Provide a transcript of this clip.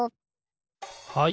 はい。